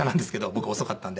僕遅かったんで。